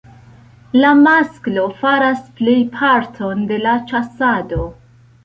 La masklo faras plej parton de la ĉasado.